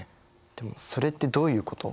でもそれってどういうこと？